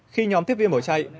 khi nhóm tiếp viên bỏ chạy